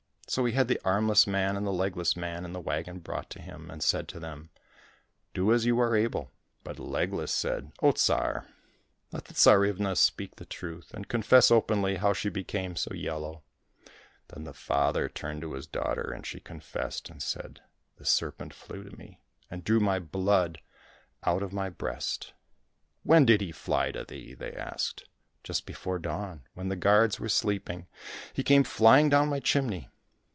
So he had the armless man and the legless man in the wagon brought to him, and said to them, " Do as you are able." But Legless said, " O Tsar ! let the Tsarivna speak the truth, and confess openly how she became so yellow !" Then the father turned to his daughter, and she confessed and said, " The serpent flew to me, and drew my blood out of my breast." " When did he fly to thee ?" they asked. " Just before dawn, when the guards were sleep ing, he came flying down my chimney.